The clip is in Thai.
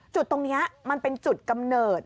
จุดตรงนี้มันเป็นจุดกำเนิด